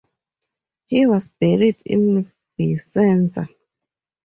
He was buried in Vicenza.